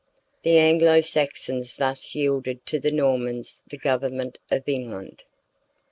The Anglo Saxons thus yielded to the Normans the government of England.